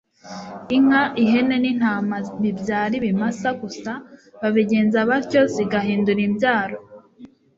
Inka ,ihene n’intama bibyara ibimasa gusa babigenza batyo zigahindura imbyaro